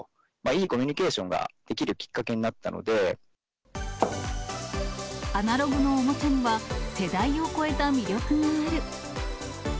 いいコミュニケーションができるアナログのおもちゃには、世代を超えた魅力がある。